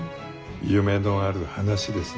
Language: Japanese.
夢のある話ですね。